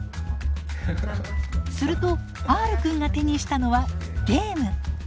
するとＲくんが手にしたのはゲーム。